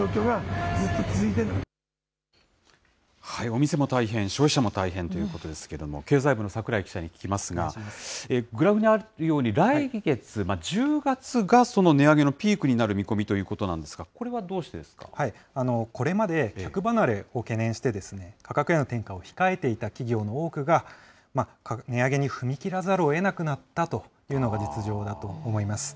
お店も大変、消費者も大変ということですけれども、経済部の櫻井記者に聞きますが、グラフにあるように、来月・１０月がその値上げのピークになる見込みということなんでこれまで、客離れを懸念してですね、価格への転嫁を控えてきた企業の多くが、値上げに踏み切らざるをえなくなったというのが実情だと思います。